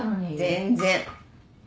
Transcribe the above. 全然。